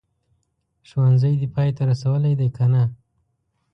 ښوونځی دي پای ته رسولی دی که نه ؟